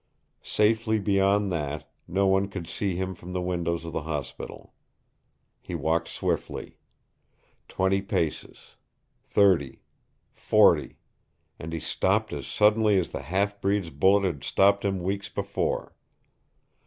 Safely beyond that, no one could see him from the windows of the hospital. He walked swiftly. Twenty paces, thirty, forty and he stopped as suddenly as the half breed's bullet had stopped him weeks before.